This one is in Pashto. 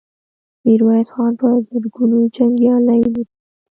ميرويس خان په زرګونو جنګيالي لري.